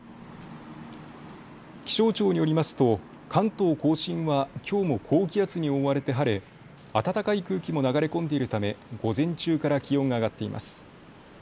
気象庁によりますと関東甲信はきょうも高気圧に覆われて晴れ暖かい空気も流れ込んでいるため午前中から気温が上がっています。